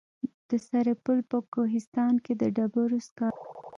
د سرپل په کوهستان کې د ډبرو سکاره شته.